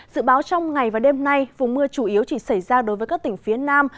dự báo trong ngày và đêm nay vùng mưa chủ yếu chỉ xảy ra đối với các tỉnh phía nam